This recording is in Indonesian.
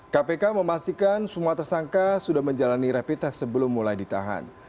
kpk memastikan semua tersangka sudah menjalani rapid test sebelum mulai ditahan